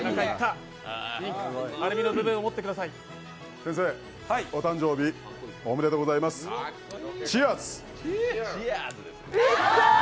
先生、お誕生日おめでとうございます！チアーズ！